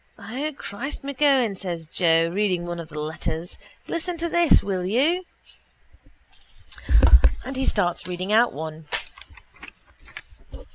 —O, Christ M'Keown, says Joe, reading one of the letters. Listen to this, will you? And he starts reading out one.